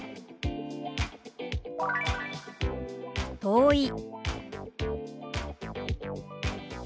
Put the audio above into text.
「遠い」。